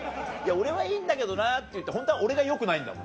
「俺はいいんだけどな」って言ってホントは俺がよくないんだもんな。